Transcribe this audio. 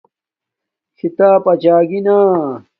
کھیتاپ اچاگی نا